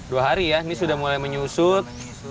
dua hari ya ini sudah mulai menyusut